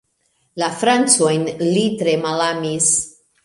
La francojn li tre malamis.